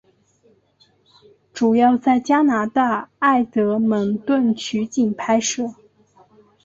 主要在加拿大埃德蒙顿取景拍摄。